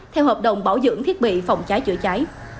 theo hợp đồng bảo dưỡng thiết bị phòng cháy chữa cháy